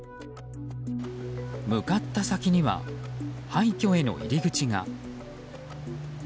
向かった先には廃虚への入り口が。